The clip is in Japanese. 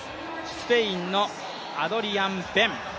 スペインのアドリアン・ベン。